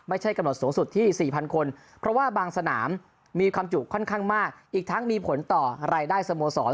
ไม่ใช่กำหนดสูงสุดที่๔๐๐คนเพราะว่าบางสนามมีความจุค่อนข้างมากอีกทั้งมีผลต่อรายได้สโมสร